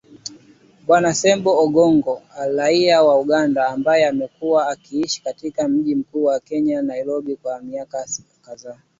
Bwana Ssebbo Ogongo raia wa Uganda ambaye amekuwa akiishi katika mji mkuu wa Kenya Nairobi kwa miaka kadhaa